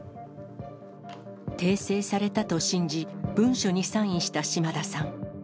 訂正されたと信じ、文書にサインした島田さん。